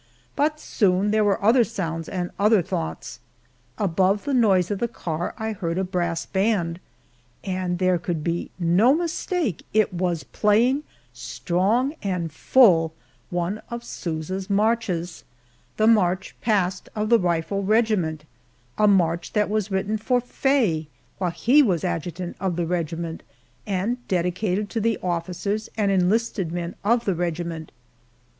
But soon there were other sounds and other thoughts. Above the noise of the car I heard a brass band and there could be no mistake it was playing strong and full one of Sousa's marches, "The March Past of the Rifle Regiment" a march that was written for Faye while he was adjutant of the regiment, and "Dedicated to the officers and enlisted men" of the regiment.